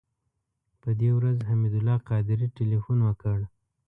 په دې ورځ حمید الله قادري تیلفون وکړ.